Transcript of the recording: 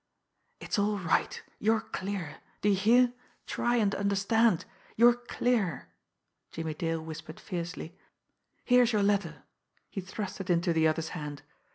"It's all right you're clear! Do you hear try and understand you're clear!" Jimmie Dale whispered fiercely. "Here's your letter!" He thrust it into the other's hand.